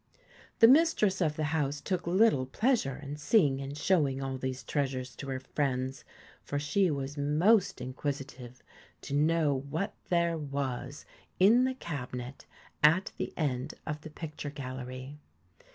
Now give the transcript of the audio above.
The mistress of the house took little pleasure in seeing and showing all these treasures to her friends, for she was most inquisitive to know what there was in the cabinet at the end of the picture gallery.